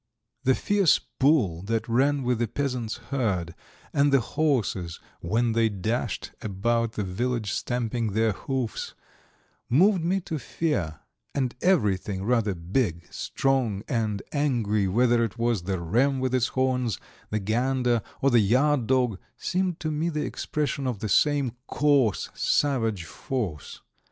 The fierce bull that ran with the peasants' herd, and the horses, when they dashed about the village, stamping their hoofs, moved me to fear, and everything rather big, strong, and angry, whether it was the ram with its horns, the gander, or the yard dog, seemed to me the expression of the same coarse, savage force.